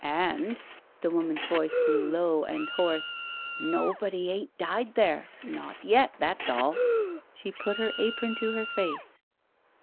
And" — the woman's voice grew low and hoarse — "nobody ain't died there — not yet — that's all !" She put her apron to her face.